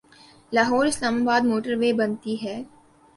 Lahore Islamabad motorway بنتی ہے۔